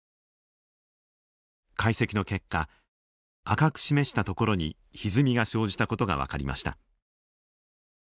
解析の結果赤く示した所にひずみが生じた事が分かりました。